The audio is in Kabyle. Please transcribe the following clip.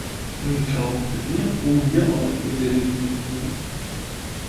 Nekṛeɣ belli uwyeɣ idrimen-nni.